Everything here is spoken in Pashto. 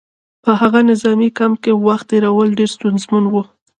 په هغه نظامي کمپ کې وخت تېرول ډېر ستونزمن وو